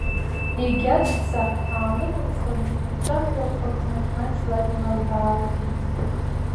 Егьи аҵәца аалымылхын, ҿамҩақәак маҷ-маҷ илалбаалдеит.